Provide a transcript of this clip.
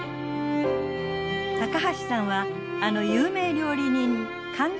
高橋さんはあの有名料理人神